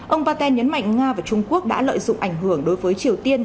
ông paten nhấn mạnh nga và trung quốc đã lợi dụng ảnh hưởng đối với triều tiên